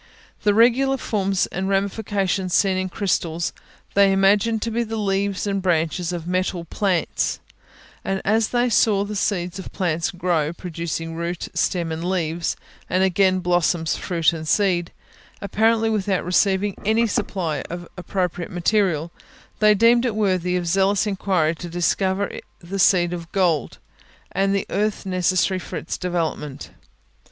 The regular forms and ramifications seen in crystals, they imagined to be the leaves and branches of metal plants; and as they saw the seed of plants grow, producing root, stem and leaves, and again blossoms, fruit and seeds, apparently without receiving any supply of appropriate material, they deemed it worthy of zealous inquiry to discover the seed of gold, and the earth necessary for its development.